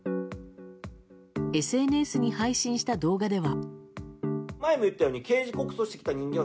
ＳＮＳに配信した動画では。